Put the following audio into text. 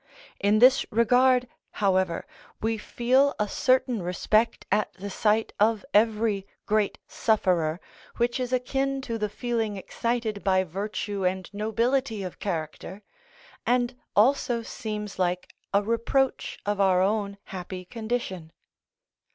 In this regard, however, we feel a certain respect at the sight of every great sufferer which is akin to the feeling excited by virtue and nobility of character, and also seems like a reproach of our own happy condition.